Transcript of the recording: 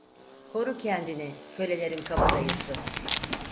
Koru kendini, kölelerin kabadayısı…